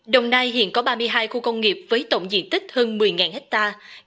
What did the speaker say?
đồng nai hiện có ba mươi hai khu công nghiệp với tổng diện tích hơn một mươi hectare